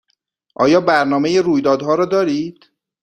آیا برنامه رویدادها را دارید؟